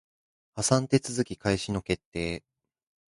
破産手続開始の決定